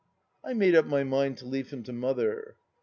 I made up my mind to leave him to Mother.